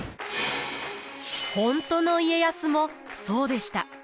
本当の家康もそうでした。